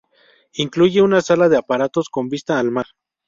Incluye una sala de aparatos con vista al mar.